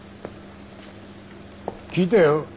聞いたよ